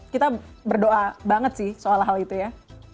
kita berdoa banget sih soal hal itu ya